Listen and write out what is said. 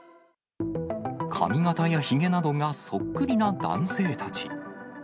髪形やひげなどがそっくりな男性たち。